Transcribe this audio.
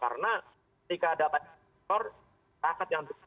karena ketika data dikonsumsi takut yang berpengaruh